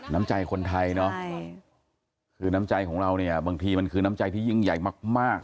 น้ำใจคนไทยเนาะคือน้ำใจของเราเนี่ยบางทีมันคือน้ำใจที่ยิ่งใหญ่มาก